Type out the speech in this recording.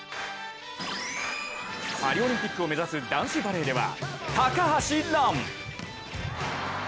パリオリンピックを目指す男子バレーでは高橋藍。